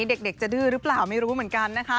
เด็กจะดื้อหรือเปล่าไม่รู้เหมือนกันนะคะ